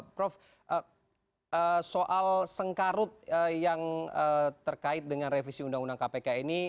prof soal sengkarut yang terkait dengan revisi undang undang kpk ini